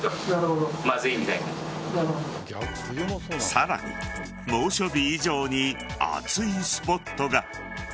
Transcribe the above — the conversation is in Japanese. さらに猛暑日以上に熱いスポットが。